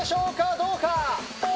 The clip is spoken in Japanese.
どうか。